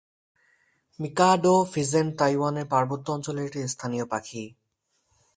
Mikado pheasant তাইওয়ানের পার্বত্য অঞ্চলের একটি স্থানীয় পাখি।